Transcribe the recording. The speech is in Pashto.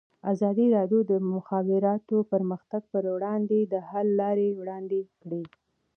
ازادي راډیو د د مخابراتو پرمختګ پر وړاندې د حل لارې وړاندې کړي.